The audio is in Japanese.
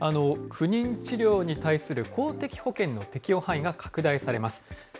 不妊治療に対する公的保険の適用範囲が拡大されます。